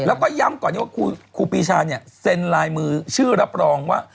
แล้วก็ย้ำก่อนว่าครูปีชาเนี่ยเซ็นลายมือชื่อรับรองว่า